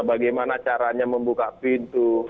bagaimana caranya membuka pintu